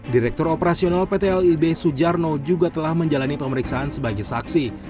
direktur operasional pt lib sujarno juga telah menjalani pemeriksaan sebagai saksi